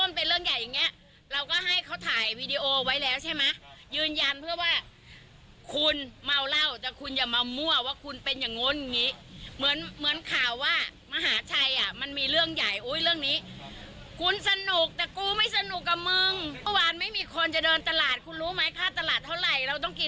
คุณรู้ไหมค่ะตลาดเท่าไหร่เราต้องกินต้องใช้